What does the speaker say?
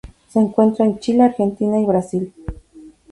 Se encuentra en Chile, Argentina y Brasil.